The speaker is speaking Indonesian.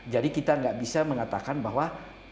jadi kita gak bisa mengatakan bahwa